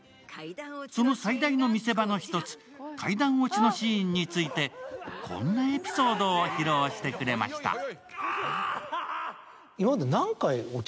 その最大の見せ場の一つ、階段落ちのシーンについて、こんなエピソードを披露してくれました。